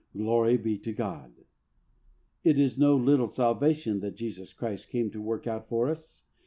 Glory be to God ! It is no little salvation that Jesus Christ came to work out for us.